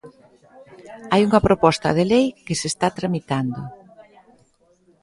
Hai unha proposta de lei que se está tramitando.